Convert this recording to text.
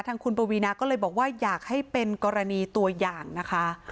ทางคุณปวีนาก็เลยบอกว่าอยากให้เป็นกรณีตัวอย่างนะคะ